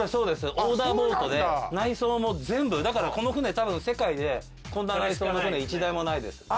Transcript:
オーダーボートで内装も全部だからこの船多分世界でこんな内装の船１台もないですあ